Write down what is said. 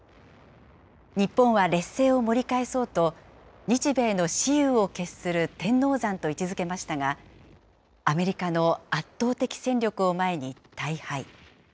日本は劣勢を盛り返そうと、日米の雌雄を決する天王山と位置づけましたが、アメリカの圧倒的戦力を前に大敗。